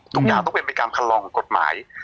ทุกอย่างต้องเป็นไปตามคันลองของกฎหมาย